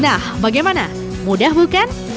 nah bagaimana mudah bukan